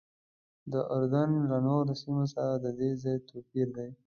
د اردن له نورو سیمو سره ددې ځای توپیر دی.